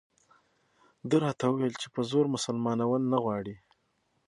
ده راته وویل چې په زور مسلمانول نه غواړي.